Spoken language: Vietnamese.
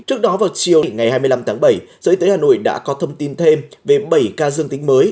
trước đó vào chiều ngày hai mươi năm tháng bảy sở y tế hà nội đã có thông tin thêm về bảy ca dương tính mới